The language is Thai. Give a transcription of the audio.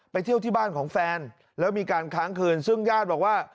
เที่ยวที่บ้านของแฟนแล้วมีการค้างคืนซึ่งญาติบอกว่า